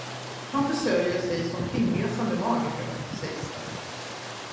Han försörjer sig som kringresande magiker, sägs det.